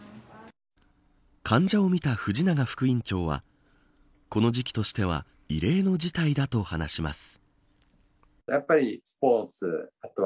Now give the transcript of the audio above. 患者を診た、藤永副院長はこの時期としては異例の事態だと話します。